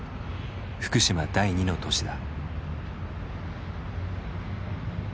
福島第２の都市だ。